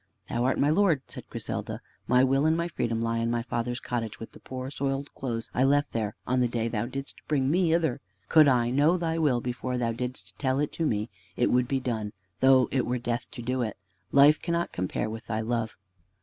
"Thou art my Lord," said Griselda. "My will and my freedom lie in my father's cottage with the poor soiled clothes I left there on the day thou didst bring me hither. Could I know thy will before thou didst tell it to me, it would be done, though it were death to do it. Life cannot compare with thy love."